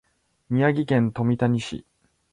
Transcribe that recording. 宮城県富谷市